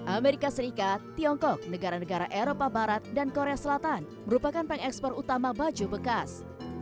amerika serikat tiongkok negara negara eropa barat dan korea selatan merupakan pengekspor utama baju bekas